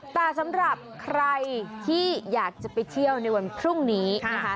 แต่สำหรับใครที่อยากจะไปเที่ยวในวันพรุ่งนี้นะคะ